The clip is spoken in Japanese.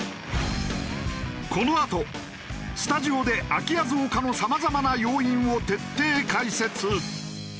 このあとスタジオで空き家増加のさまざまな要因を徹底解説。